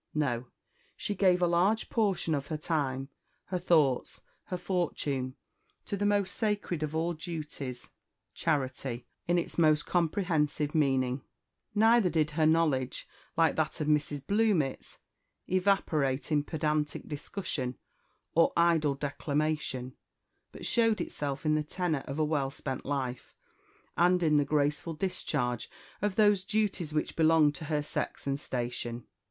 No: she gave a large portion of her time, her thoughts, her fortune, to the most sacred of all duties charity, in its most comprehensive meaning. Neither did her knowledge, like that of Mrs. Bluemits, evaporate in pedantic discussion or idle declamation, but showed itself in the tenor of a well spent life, and in the graceful discharge of those duties which belonged to her sex and station.